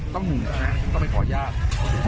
ต้องหมุนนะครับก็ไปปอดญาติ